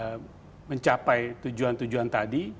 untuk bisa mencapai tujuan tujuan tadi